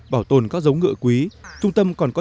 bảo tồn các giống ngựa quý trung tâm còn có